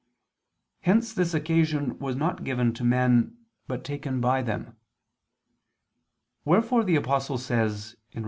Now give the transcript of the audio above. Hence this occasion was not given to men, but taken by them. Wherefore the Apostle says (Rom.